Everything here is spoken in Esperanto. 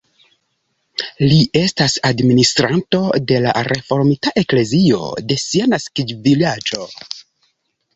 Li estas administranto de la reformita eklezio de sia naskiĝvilaĝo.